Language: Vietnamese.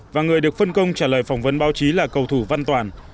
và người được phân công trả lời phỏng vấn báo chí là cầu thủ văn toàn